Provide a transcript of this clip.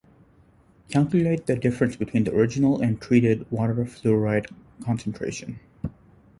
Calculate the difference between the original and treated water fluoride concentration.